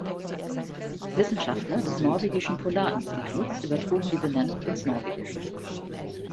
Wissenschaftler des Norwegischen Polarinstituts übertrugen die Benennung ins Norwegische.